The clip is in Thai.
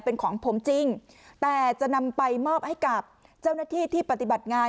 เป็นของผมจริงแต่จะนำไปมอบให้กับเจ้าหน้าที่ที่ปฏิบัติงาน